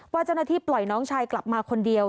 เจ้าหน้าที่ปล่อยน้องชายกลับมาคนเดียว